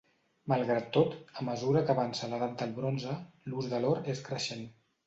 Malgrat tot, a mesura que avança l'edat del bronze, l'ús de l'or és creixent.